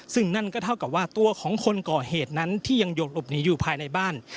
ซึ่งนั่นก็เท่ากับว่าตัวของคนก่อเหตุนั้นที่ยังหยกหลบหนีอยู่ภายในบ้าน